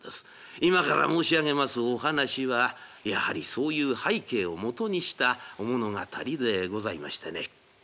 今から申し上げますお話はやはりそういう背景をもとにしたお物語でございましてね。